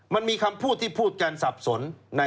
มันมีคำพูดที่พูดกันสับสน